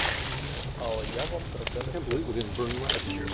Але я вам про це не скажу.